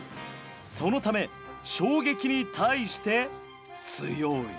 そのため衝撃に対して強い。